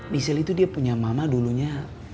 misal itu dia punya mama dulunya